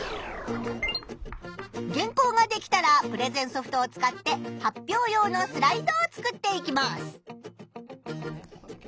原稿ができたらプレゼンソフトを使って発表用のスライドを作っていきます。